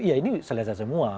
ya ini selesa semua